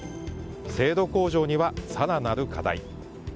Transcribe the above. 精度向上には更なる課題。